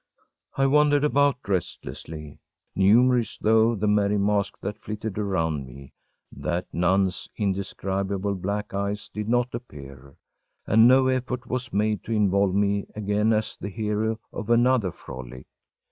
I wandered about restlessly. Numerous though the merry masks that flitted around me, that nun’s indescribable black eyes did not appear, and no effort was made to involve me again as the hero of another frolic.